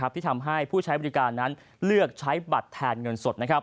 ที่ทำให้ผู้ใช้บริการนั้นเลือกใช้บัตรแทนเงินสด